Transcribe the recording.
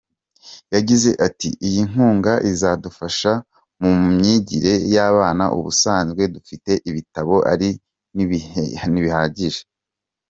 Yagize ati ”Iyi nkunga izadufasha mu myigire y’abana, ubusanzwe dufite ibitabo ariko ntibihagije.